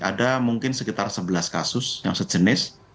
ada mungkin sekitar sebelas kasus yang sejenis